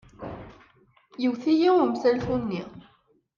Iwet-iyi umsaltu-nni.